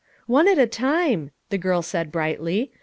"One at a time," the girl said brightly.